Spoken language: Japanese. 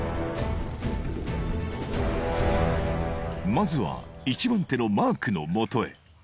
まずは一番手のマークのもとへ